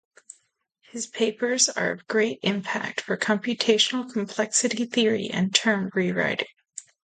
His papers are of great impact for computational complexity theory and term rewriting.